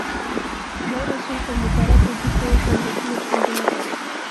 د خدای رسول پر مبارک وجود به یې ګندګي ورشیندله.